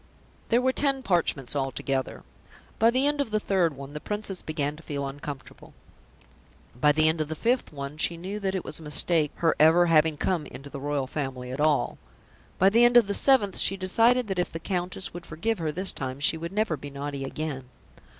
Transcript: There were ten parchments altogether. By the end of the third one, the Princess began to feel uncomfortable. By the end of the fifth one she knew that it was a mistake her ever having come into the Royal Family at all. By the end of the seventh she decided that if the Countess would forgive her this time she would never be naughty again.